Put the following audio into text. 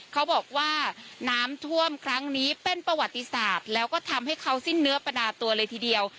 เขาบอกว่าน้ำท่วมครั้งนี้เป็นประวัติศาสตร์แล้วก็ทำให้เขาสิ้นเนื้อประดาตัวเลยทีเดียว